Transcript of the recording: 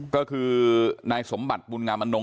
ก็คือนายสมบัติบูลงามมันนงค์